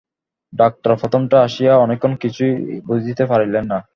Doctor প্রথমটা আসিয়া অনেকক্ষণ কিছুই বুঝিতে পারিলেন না।